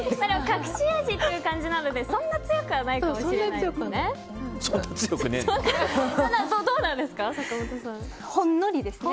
隠し味という感じなのでそんなに強くないかもしれませんね。